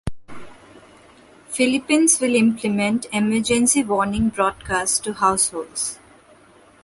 Philippines will implement emergency warning broadcast to households.